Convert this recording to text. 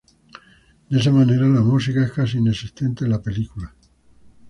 De esa manera la música es casi inexistente en la película.